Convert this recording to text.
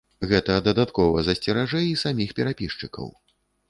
Гэта дадаткова засцеражэ і саміх перапісчыкаў.